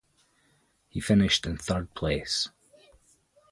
He finished in third place.